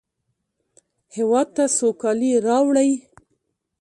هېواد ته سوکالي راوړئ